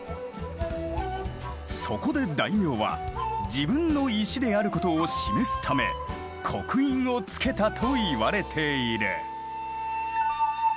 そこで大名は自分の石であることを示すため刻印を付けたといわれている。